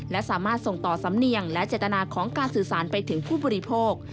และสามารถส่งต่อสำเนียงและเจตนาของการสื่อสารไปถึงผู้บริโภค